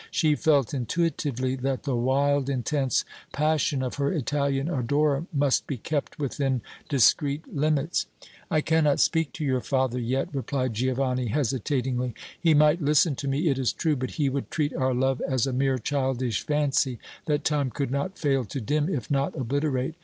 She felt intuitively that the wild, intense passion of her Italian adorer must be kept within discreet limits. "I cannot speak to your father yet," replied Giovanni, hesitatingly. "He might listen to me, it is true; but he would treat our love as a mere childish fancy that time could not fail to dim, if not obliterate.